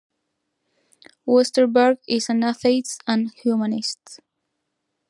Westerberg is an atheist and humanist.